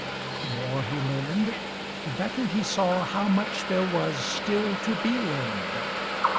The more he learned, the better he saw how much there was still to be learned.